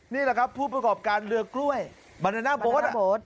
นี่แหละครับผู้ประกอบการเรือกล้วยบรรณาโบ๊ทบรรณาโบ๊ท